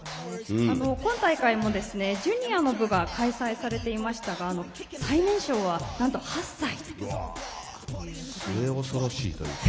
今大会も、ジュニアの部が開催されていましたが最年少はなんと８歳ということで。